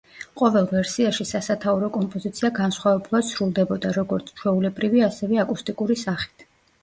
ყოველ ვერსიაში სასათაურო კომპოზიცია განსხვავებულად სრულდებოდა როგორც ჩვეულებრივი, ასევე აკუსტიკური სახით.